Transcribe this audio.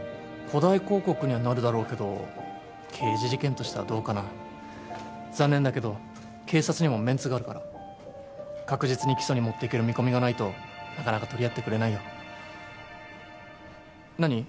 誇大広告にはなるだろうけど刑事事件としてはどうかな残念だけど警察にもメンツがあるから確実に起訴にもっていける見込みがないとなかなか取り合ってくれないよ何？